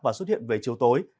và xuất hiện về chiều tối